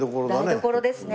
台所ですね。